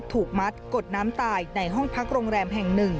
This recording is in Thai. ถูกมัดกดน้ำตายในห้องพักโรงแรมแห่ง๑